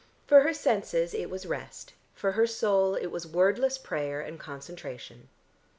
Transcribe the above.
For her senses it was rest, for her soul it was wordless prayer and concentration.